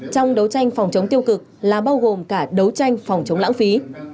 trong đấu tranh phòng chống tiêu cực là bao gồm cả đấu tranh phòng chống lãng phí